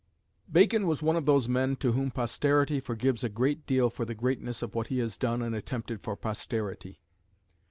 Bacon was one of those men to whom posterity forgives a great deal for the greatness of what he has done and attempted for posterity.